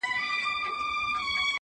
ښه مه پر واړه که، مه پر زاړه که.